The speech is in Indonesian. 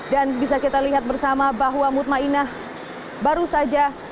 dan bisa kita lihat bersama bahwa mutma inah baru saja